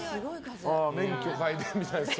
免許皆伝みたいですね。